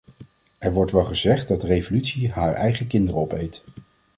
Er wordt wel gezegd dat revolutie haar eigen kinderen opeet.